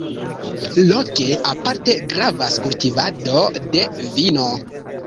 Loke aparte gravas kultivado de vino.